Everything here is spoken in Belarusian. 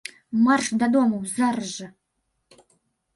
Марш дадому зараз жа!